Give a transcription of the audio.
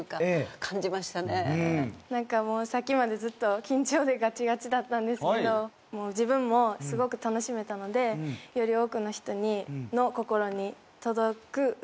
なんかもうさっきまでずっと緊張でガチガチだったんですけど自分もすごく楽しめたのでより多くの人の心に届く歌を歌えたかなって思います。